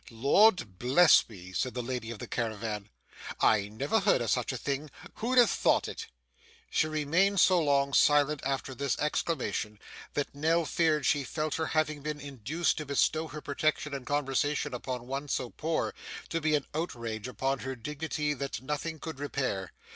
'Lord bless me,' said the lady of the caravan. 'I never heard of such a thing. Who'd have thought it!' She remained so long silent after this exclamation, that Nell feared she felt her having been induced to bestow her protection and conversation upon one so poor, to be an outrage upon her dignity that nothing could repair.